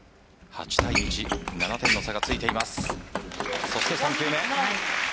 ８対１７点の差がついています。